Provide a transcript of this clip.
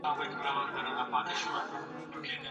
بتاکاروتن پکې ښه اندازه لري.